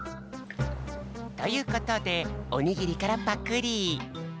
ということでおにぎりからパクリ。